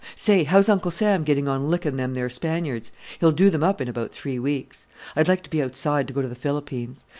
Say! how's Uncle Sam getting on licking them there Spaniards? he'll do them up in about three weeks. I'd like to be outside to go to the Philippines.